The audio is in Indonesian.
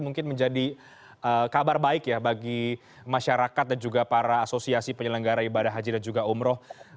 mungkin menjadi kabar baik ya bagi masyarakat dan juga para asosiasi penyelenggara ibadah haji dan juga umroh